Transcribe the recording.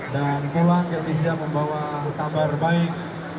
dan pulang ke indonesia membawa tambar baik